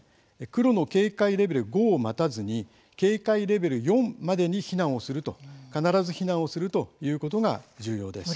黒の警戒レベル５を待たずに警戒レベル４までに必ず避難をするということが重要です。